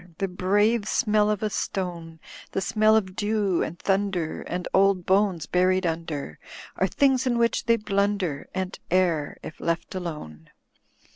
The brave smell of a stone. The smell of dew and thmider And old bones bvried mider. Are thi«gs in which they blmider And err, if left alone.